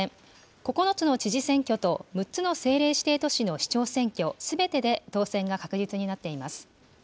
９つの知事選挙と６つの政令指定都市の市長選挙すべてで当選が確実になっています。